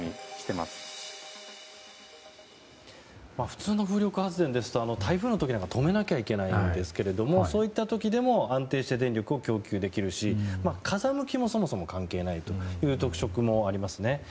普通の風力発電ですと台風の時なんかは止めなきゃいけないわけですがそういった時でも安定して電力を供給できるし風向きもそもそも関係ないという特色もありますね。